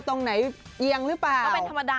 ตรงไหนเยียงรึป่าว